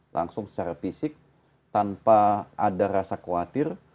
langsung secara fisik tanpa ada rasa khawatir